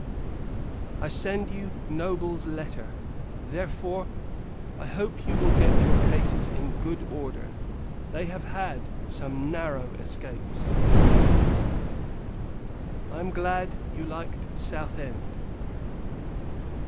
I send you Noble's letter; therefore, I hope you will get your cases in good order: they have had some narrow escapes. I am glad you liked South End.